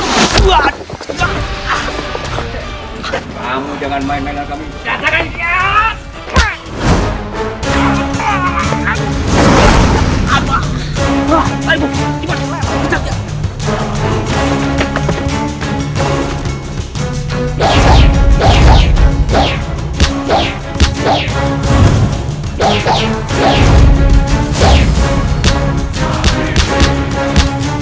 kamu jangan main main dengan kami